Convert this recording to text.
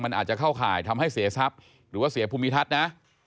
มันอาจจะเข้าข่ายทำให้เสียทรัพย์หรือว่าเสียภูมิทัศน์นะ